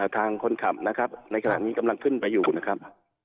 ทางคนขับนะครับในขณะนี้กำลังขึ้นไปอยู่นะครับ